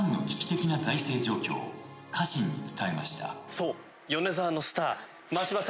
そう。